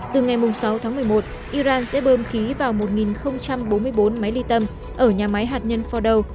từ ngày sáu tháng một mươi một iran sẽ bơm khí vào một bốn mươi bốn máy ly tâm ở nhà máy hạt nhân fordow